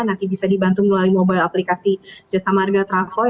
nanti bisa dibantu melalui mobile aplikasi jasa marga travoi